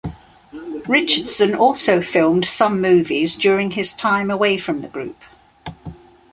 Richardson also filmed some movies during his time away from the group.